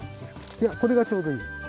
これがちょうどいい。